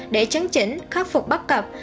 để chấn chỉnh khắc phục bắt cặp